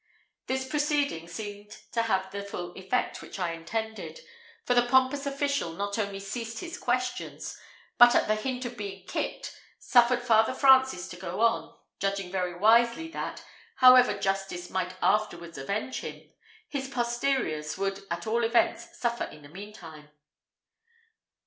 This proceeding seemed to have the full effect which I intended; for the pompous official not only ceased his questions, but at the hint of being kicked, suffered Father Francis to go on, judging very wisely, that, however justice might afterwards avenge him, his posteriors would at all events suffer in the meantime.